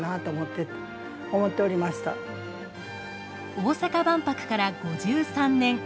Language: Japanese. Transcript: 大阪万博から５３年。